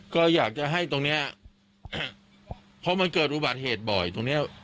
ก็อยากจะให้ตรงนี้เพราะมันเกิดอุบัติเหตุบ่อยตรงเนี้ย